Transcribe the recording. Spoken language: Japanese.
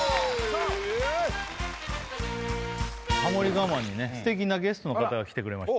我慢にね素敵なゲストの方が来てくれました